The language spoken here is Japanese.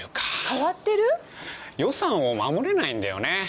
予算を守れないんだよね。